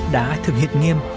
đã thường hiệt nghiêm